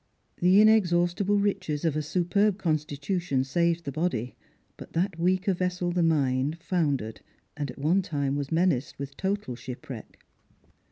The inexhaustible riches of a superb constitution saved the body, but that weaker vessel the mind foundered, and at one time was menaced with total shij) wreck.